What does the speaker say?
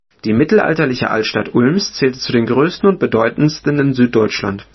Die mittelalterliche Altstadt Ulms zählte zu den größten und bedeutendsten in Süddeutschland.